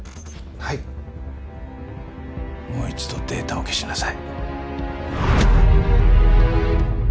はいもう一度データを消しなさい